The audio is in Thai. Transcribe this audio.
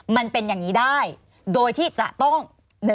มันเป็นอย่างนี้ได้โดยที่จะต้อง